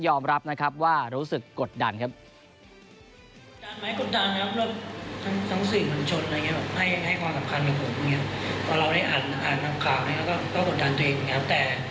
อมรับนะครับว่ารู้สึกกดดันครับ